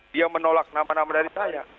dia menolak nama nama dari saya